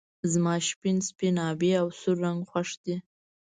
زما شين سپين آبی او سور رنګ خوښ دي